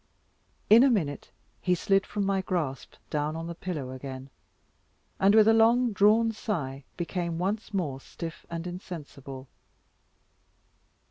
In a minute he slid from my grasp, down on the pillow again, and, with a long drawn sigh, became once more stiff and insensible.